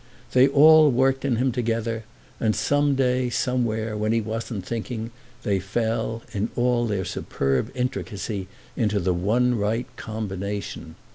They all worked in him together, and some day somewhere, when he wasn't thinking, they fell, in all their superb intricacy, into the one right combination.